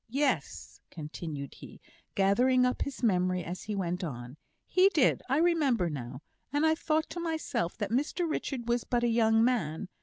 Yes," continued he, gathering up his memory as he went on, "he did I remember now and I thought to myself that Mr Richard was but a young man.